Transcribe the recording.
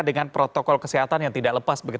dengan protokol kesehatan yang tidak lepas begitu ya